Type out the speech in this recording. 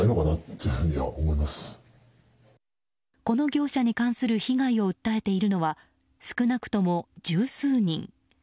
この業者に関する被害を訴えているのは少なくとも十数人。